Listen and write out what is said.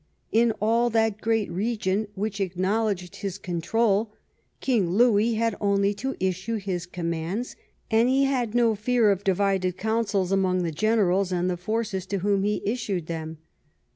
In all that great region which acknowledged his control King Louis had only to issue his commands and he had no fear of divided counsels among the generals and the forces to whom he issued them.